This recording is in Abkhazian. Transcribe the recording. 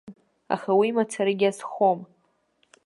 Аха уи мацарагьы азхом.